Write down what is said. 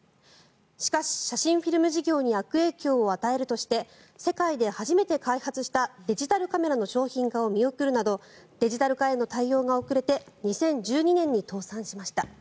しかし、写真フィルム事業に悪影響を与えるとして世界で初めて開発したデジタルカメラの商品化を見送るなどデジタル化への対応が遅れて２０１２年に倒産しました。